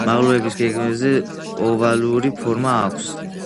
მაღლობს გეგმაზე ოვალური ფორმა აქვს.